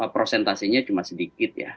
prosentasinya cuma sedikit ya